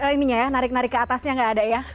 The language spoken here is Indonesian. ininya ya narik narik ke atasnya gak ada ya